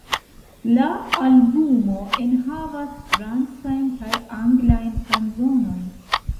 La albumo enhavas francajn kaj anglajn kanzonojn.